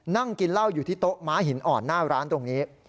นั่งกินเหล้าอยู่ที่โต๊ะม้าหินอ่อนหน้าร้านตรงนี้